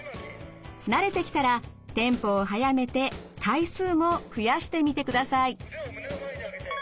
慣れてきたらテンポを速めて回数も増やしてみてください。